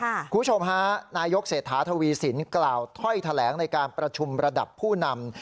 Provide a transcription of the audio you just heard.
คุณผู้ชมฮะนายกเศรษฐาทวีสินกล่าวถ้อยแถลงในการประชุมระดับผู้นำ